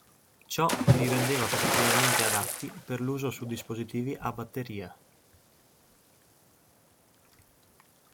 Ciò li rendeva particolarmente adatti per l'uso su dispositivi a batteria.